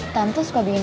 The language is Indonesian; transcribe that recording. tante suka bingung